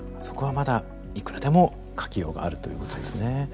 そこはまだいくらでも書きようがあるということですね。